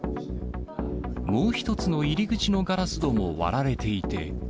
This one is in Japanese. もう１つの入り口のガラス戸も割られていて、